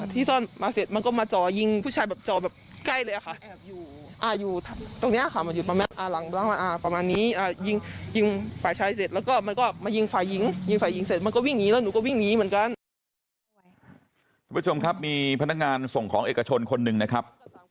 คุณผู้ชมครับมีพนักงานส่งของเอกชนคนหนึ่งนะครับ